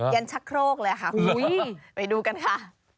ันชะโครกเลยค่ะไปดูกันค่ะ